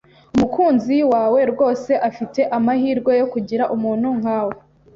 Umukunzi wawe rwose afite amahirwe yo kugira umuntu nkamwe.